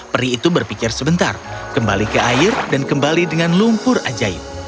peri itu berpikir sebentar kembali ke air dan kembali dengan lumpur ajaib